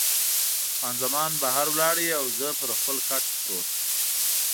خان زمان بهر ولاړه او زه پر خپل کټ پروت وم.